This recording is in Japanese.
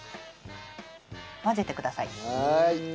混ぜてください。